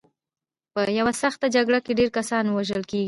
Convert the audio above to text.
په یوه سخته جګړه کې ډېر کسان وژل کېږي.